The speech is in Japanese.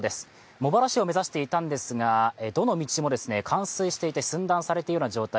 茂原市を目指していたんですが、どの道も冠水していて寸断されているような状態